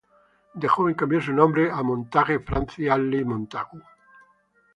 De joven cambió su nombre a "Montague Francis Ashley Montagu".